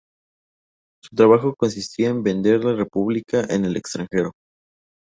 Su trabajo consistirá en vender la República en el extranjero.